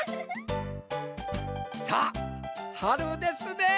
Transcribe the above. さあはるですねえ。